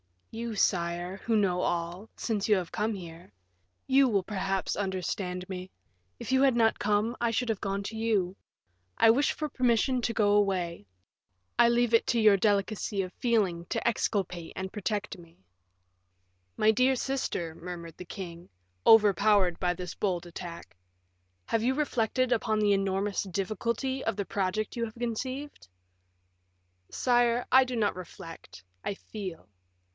"You, sire, who know all, since you have come here; you will, perhaps, understand me. If you had not come, I should have gone to you. I wish for permission to go away. I leave it to your delicacy of feeling to exculpate and to protect me." "My dear sister," murmured the king, overpowered by this bold attack, "have you reflected upon the enormous difficulty of the project you have conceived?" "Sire, I do not reflect, I feel.